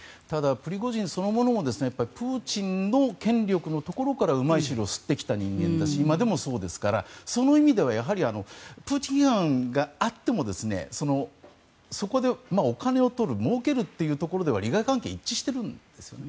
プリゴジンそのものもプーチンの権力のところからうまい汁を吸ってきた人間だし今でもそうですからその意味ではプーチン批判があってもそこでお金を取るもうけるというところでは利害関係が一致してるんですよね。